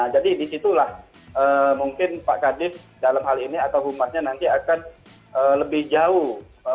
jadi di situlah mungkin pak kadif dalam hal ini ak utati informasinya nanti akan lebih jauh